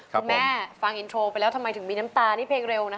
ฟังอินโทรไปแล้วทำไมถึงมีน้ำตานี่เพลงเร็วนะคะ